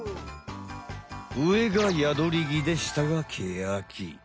うえがヤドリギでしたがケヤキ。